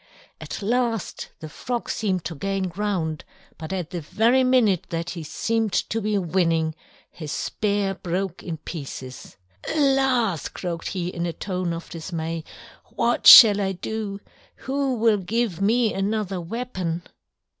At last the Frog seemed to gain ground, but at the very minute that he seemed to be winning his spear broke in pieces. "Alas!" croaked he in a tone of dismay, "what shall I do? Who will give me another weapon?"